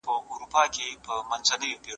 ډیپلوماسي د نړیوالو شخړو د پای ته رسولو وسیله ده.